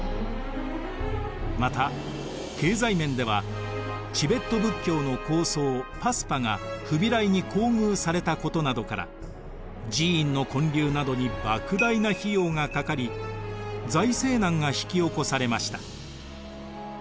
また経済面ではチベット仏教の高僧パスパがフビライに厚遇されたことなどから寺院の建立などにばく大な費用がかかり財政難が引き起こされました。